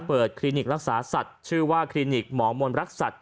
คลินิกรักษาสัตว์ชื่อว่าคลินิกหมอมนรักษัตริย